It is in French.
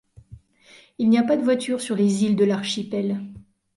Il n'y a pas de voitures sur les îles de l'archipel.